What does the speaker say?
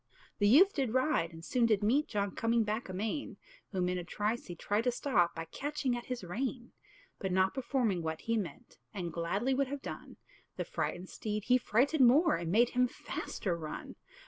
The youth did ride, and soon did meet John coming back amain; Whom in a trice he tried to stop, By catching at his rein; But not performing what he meant, And gladly would have done, The frightened steed he frighted more, And made him faster run.